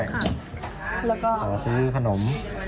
แล้วก็ขอซื้อขนม